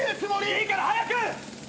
いいから早く！